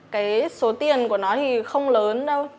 cái số tiền của nó thì không lớn đâu